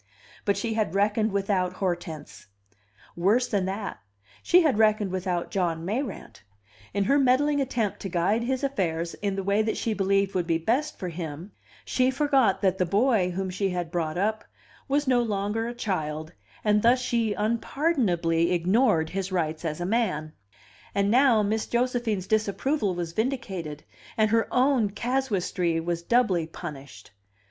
But she had reckoned without Hortense; worse than that, she had reckoned without John Mayrant; in her meddling attempt to guide his affairs in the way that she believed would be best for him, she forgot that the boy whom she had brought up was no longer a child, and thus she unpardonably ignored his rights as a man. And now Miss Josephine's disapproval was vindicated, and her own casuistry was doubly punished.